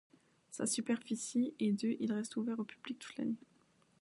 Sa superficie est de et il reste ouvert au public toute l'année.